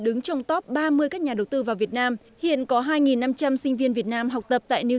đứng trong top ba mươi các nhà đầu tư vào việt nam hiện có hai năm trăm linh sinh viên việt nam học tập tại new